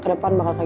kita kan gak tau